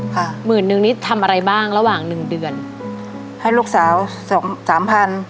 หมื่นนึงนี่ทำอะไรบ้างระหว่างหนึ่งเดือนให้ลูกสาวสองสามพัน